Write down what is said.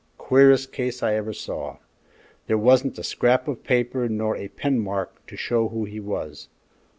"Queerest case I ever saw! There wasn't a scrap of paper nor a pen mark to show who he was.